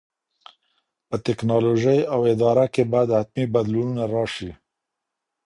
په ټیکنالوژۍ او اداره کي باید حتمي بدلونونه راسي.